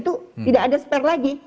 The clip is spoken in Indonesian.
itu tidak ada spare lagi